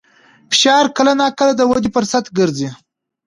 فشار کله ناکله د ودې فرصت ګرځي.